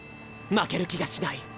負ける気がしない。